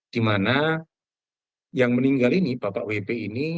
dimana yang meninggal ini bapak wp ini